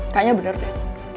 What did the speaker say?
kayaknya bener deh